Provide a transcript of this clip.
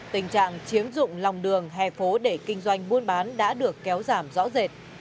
tình trạng chiếm dụng lòng đường hè phố để kinh doanh buôn bán đã được kéo giảm rõ rệt